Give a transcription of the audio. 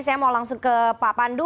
saya mau langsung ke pak pandu